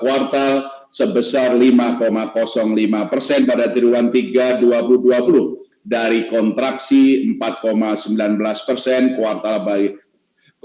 yang tercermin pada pertumbuhan ekonomi domestik